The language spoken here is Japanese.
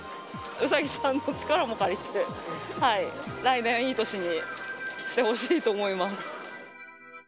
うさぎさんの力も入れて、来年、いい年にしてほしいと思います。